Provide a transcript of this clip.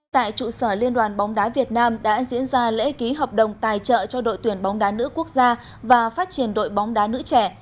tại trụ sở liên đoàn bóng đá việt nam đã diễn ra lễ ký hợp đồng tài trợ cho đội tuyển bóng đá nữ quốc gia và phát triển đội bóng đá nữ trẻ